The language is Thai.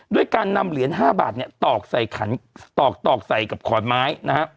ด้วยการนำเหรียญ๕บาทตอกใส่กับขอนไม้นะครับ